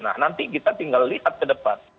nah nanti kita tinggal lihat ke depan